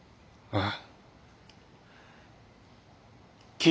ああ。